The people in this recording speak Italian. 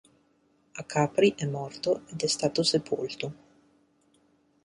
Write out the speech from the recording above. A Capri è morto ed è stato sepolto.